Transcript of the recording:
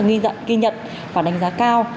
nghi nhận và đánh giá cao